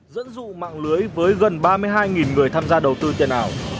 dẫn dụ mạng lưới với gần ba mươi hai người tham gia đầu tư tiền ảo